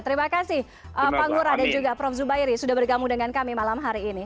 terima kasih pak ngurah dan juga prof zubairi sudah bergabung dengan kami malam hari ini